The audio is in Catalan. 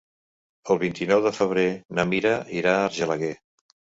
El vint-i-nou de febrer na Mira irà a Argelaguer.